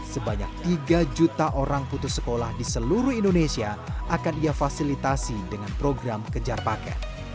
sebanyak tiga juta orang putus sekolah di seluruh indonesia akan ia fasilitasi dengan program kejar paket